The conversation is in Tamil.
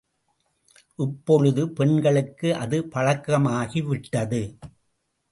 இப்பொழுது பெண்களுக்கு அது பழக்கமாகிவிட்டது.